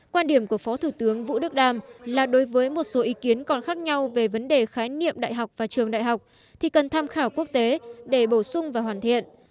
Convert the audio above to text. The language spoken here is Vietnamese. quan điểm của phó thủ tướng vũ đức đam là đối với một số ý kiến còn khác nhau về vấn đề khái niệm đại học và trường đại học thì cần tham khảo quốc tế để bổ sung và hoàn thiện